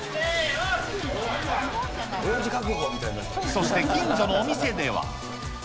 そして近所のお店では。